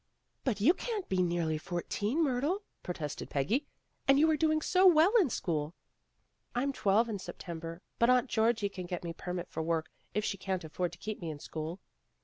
104 PEGGY RAYMOND'S WAY "But you can't be nearly fourteen, Myrtle," protested Peggy. "And you were doing so well in school.'* "I'm twelve in September, but Aunt Georgie can get permit for me to work, if she can't afford to keep me in school."